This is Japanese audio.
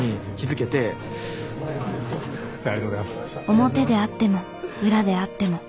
表であっても裏であっても。